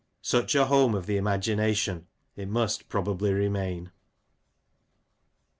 Such a home of the imagination it must probably remain.